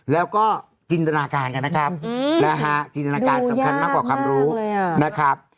แล้วก็จินตนาการกันนะครับนะฮะจินตนาการสำคัญมากกว่าความรู้นะครับ